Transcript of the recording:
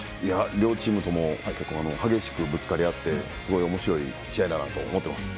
両チームとも結構激しくぶつかり合っておもしろい試合だなと思っています。